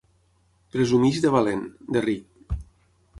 Presumeix de valent, de ric.